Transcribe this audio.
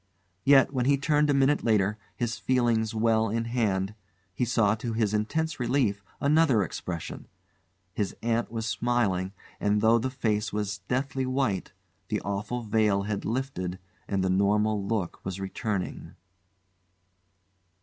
Yet, when he turned a minute later, his feelings well in hand, he saw to his intense relief another expression; his aunt was smiling, and though the face was deathly white, the awful veil had lifted and the normal look was returning.